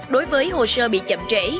đối với hồ sơ bị chậm trễ